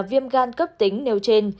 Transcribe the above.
viêm gan cấp tính nêu trên